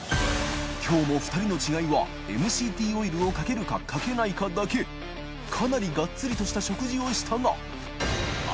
磴腓Δ２人の違いはＭＣＴオイルを韻襪かけないかだけ磴覆がっつりとした食事をしたが磴△